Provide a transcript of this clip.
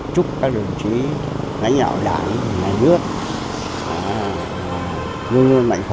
chúc các đồng chí lãnh đạo đảng nhà nước luôn luôn mạnh khỏe